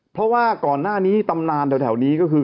เพราะว่าก่อนหน้านี้ตำนานแถวนี้ก็คือ